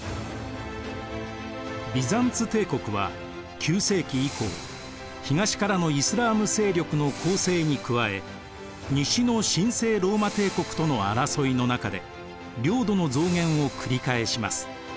ビザンツ帝国は９世紀以降東からのイスラーム勢力の攻勢に加え西の神聖ローマ帝国との争いの中で領土の増減を繰り返します。